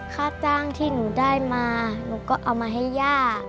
ค่าจ้างที่หนูได้มาหนูก็เอามาให้ย่า